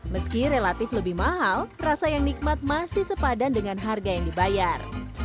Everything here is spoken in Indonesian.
meski relatif lebih mahal rasa yang nikmat masih sepadan dengan harga yang dibayar